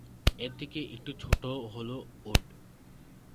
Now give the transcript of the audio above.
এর থেকে একটু ছোট হল "উড"।